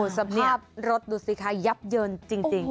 สภาพรถดูสิคะยับเยินจริง